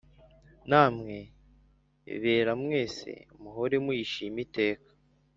Namwe bera mwese muhore muyishima iteka